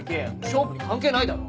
勝負に関係ないだろ！